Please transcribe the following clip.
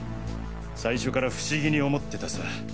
最初から不思議に思ってたさ。